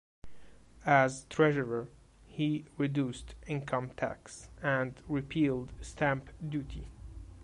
As treasurer, he reduced income tax and repealed stamp duty.